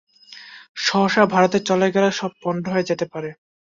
সহসা ভারতে চলে গেলে সব পণ্ড হয়ে যেতে পারে।